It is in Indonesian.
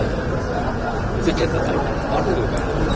itu cerdutannya harus juga